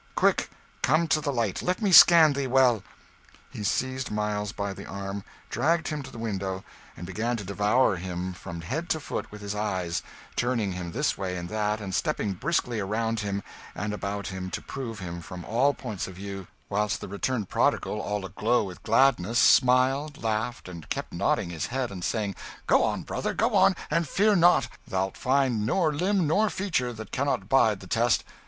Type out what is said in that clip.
Quick come to the light let me scan thee well!" He seized Miles by the arm, dragged him to the window, and began to devour him from head to foot with his eyes, turning him this way and that, and stepping briskly around him and about him to prove him from all points of view; whilst the returned prodigal, all aglow with gladness, smiled, laughed, and kept nodding his head and saying "Go on, brother, go on, and fear not; thou'lt find nor limb nor feature that cannot bide the test.